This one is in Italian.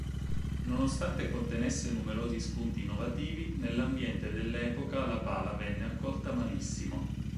Nonostante contenesse numerosi spunti innovativi, nell'ambiente dell'epoca la pala venne accolta malissimo.